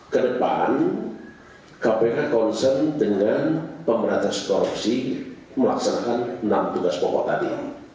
ke depan kpk concern dengan pemerintah korupsi melaksanakan enam tugas pokok tadi